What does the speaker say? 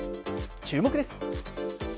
注目です。